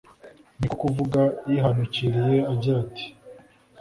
niko kuvuga yihanukiriye agira ati